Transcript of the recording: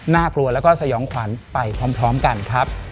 กลัวแล้วก็สยองขวัญไปพร้อมกันครับ